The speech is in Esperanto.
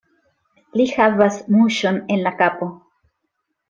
Li havas muŝon en la kapo.